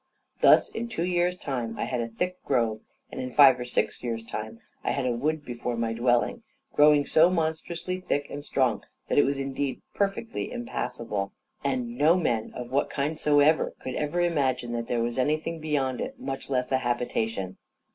Thus in two years' time I had a thick grove; and in five or six years' time I had a wood before my dwelling, growing so monstrously thick and strong that it was indeed perfectly impassable; and no men, of what kind soever, could ever imagine that there was anything beyond it, much less a habitation.